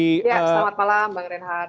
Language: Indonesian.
ya selamat malam bang reinhardt